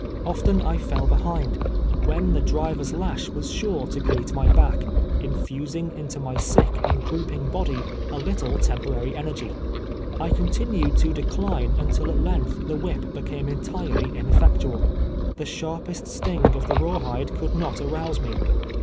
Often I fell be hind, when the driver's lash was sure to greet my back, infusing into my sick and drooping body a little temporary energy. I continued to decline until at length the wdiip became entirely ineiiectual. The sharpest sting of the rawhide could not arouse me.